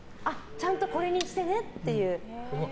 ちゃんとこれにしてねっていう。